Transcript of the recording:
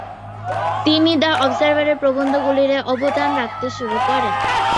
তিনি দ্য অবজারভারে প্রবন্ধগুলি অবদান রাখতে শুরু করেন।